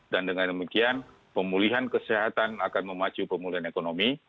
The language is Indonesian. dan dengan demikian pemulihan kesehatan akan memacu pemulihan ekonomi